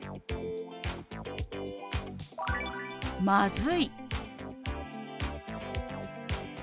「まずい」。